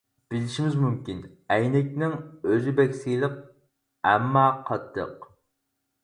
بىلىشىمىز مۇمكىن ئەينەكنىڭ ئۆزى بەك سىلىق ئەمما قاتتىق.